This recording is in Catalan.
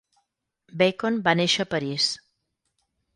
Bacon va néixer a París.